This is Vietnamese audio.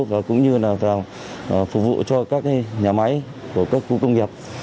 và cũng như là phục vụ cho các nhà máy của các khu công nghiệp